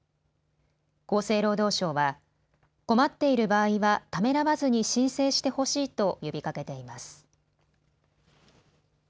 厚生労働省は困っている場合はためらわずに申請してほしいと呼びかけています。